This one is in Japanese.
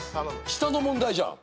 下の問題じゃん。